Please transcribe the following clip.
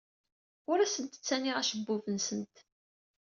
Ur asent-ttaniɣ acebbub-nsent.